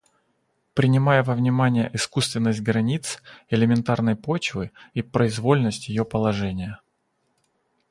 Принимая во внимание искусственность границ элементарной почвы и произвольность ее положения